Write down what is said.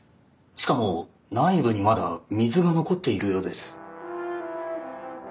しかも内部にまだ水が残っているようです。